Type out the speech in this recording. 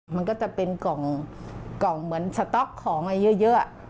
มันก็จะเป็นกล่องเหมือนสต๊อกของอะไรเยอะ